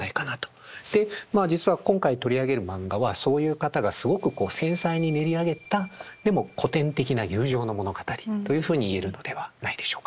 でまあ実は今回取り上げるマンガはそういう方がすごく繊細に練り上げたでも古典的な友情の物語というふうに言えるのではないでしょうか。